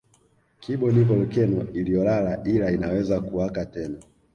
Kibo ni volkeno iliyolala ila inaweza kuwaka tena